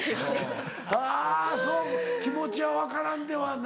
あぁそう気持ちは分からんではないわ。